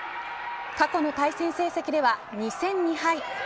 過去の対戦成績では２戦２敗。